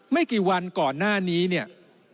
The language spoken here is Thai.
ไม่กี่วันก่อนหน้านี้เนี่ย